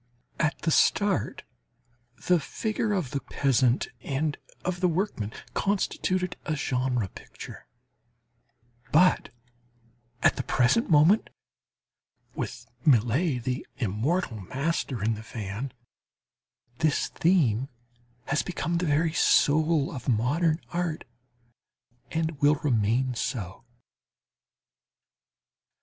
At the start the figure of the peasant and of the workman constituted a "genre" picture; but at the present moment, with Millet, the immortal master in the van, this theme has become the very soul of modern art and will remain so.